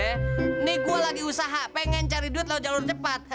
ini gue lagi usaha pengen cari duit loh jalur cepat